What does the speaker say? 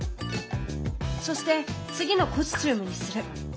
そして「次のコスチュームにする」。